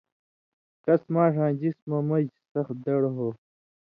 کس ماݜاں جسمہ مژ سخ دڑ ہو